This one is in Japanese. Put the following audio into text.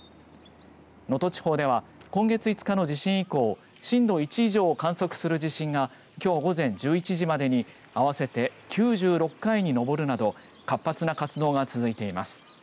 能登地方では今月５日の地震以降震度１以上を観測する地震がきょう午前１１時までに合わせて９６回に上るなど活発な活動が続いています。